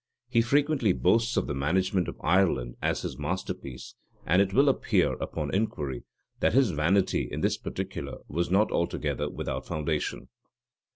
He frequently boasts of the management of Ireland as his masterpiece; and it will appear, upon inquiry, that his vanity in this particular was not altogether without foundation.